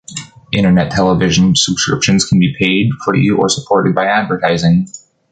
Internet television subscriptions can be paid, free or supported by advertising.